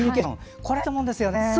これがいいと思うんですよね。